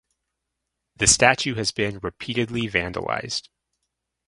The statue has been repeatedly vandalized.